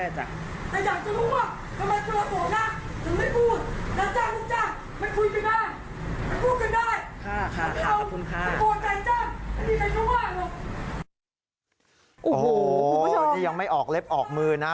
คุณผู้ชมนี่ยังไม่ออกเล็บออกมือนะ